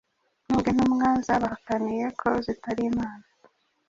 Nubwo intumwa zabahakaniye ko zitari imana,